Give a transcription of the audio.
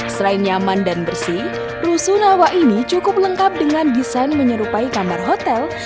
selain nyaman dan bersih rusunawa ini cukup lengkap dengan desain menyerupai kamar hotel